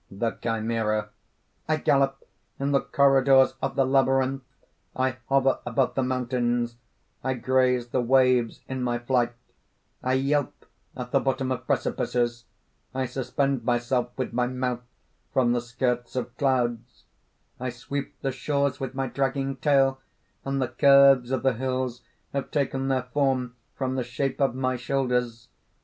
THE CHIMERA. "I gallop in the corridors of the Labyrinth I hover above the mountains I graze the waves in my flight I yelp at the bottom of precipices I suspend myself with my mouth from the skirts of clouds I sweep the shores with my dragging tail; and the curves of the hills have taken their form from the shape of my shoulders!